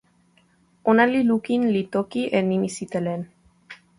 ona li lukin li toki e nimi sitelen.